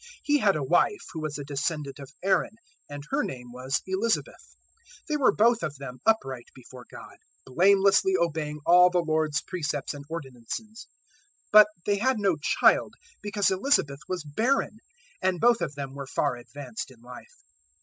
He had a wife who was a descendant of Aaron, and her name was Elizabeth. 001:006 They were both of them upright before God, blamelessly obeying all the Lord's precepts and ordinances. 001:007 But they had no child, because Elizabeth was barren; and both of them were far advanced in life.